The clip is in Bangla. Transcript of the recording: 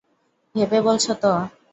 ভেবে বলছ তো?